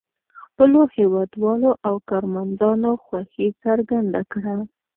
خپلو هېوادوالو او کارمندانو خوښي څرګنده کړه.